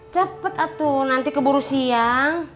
cepet tuh nanti keburu siang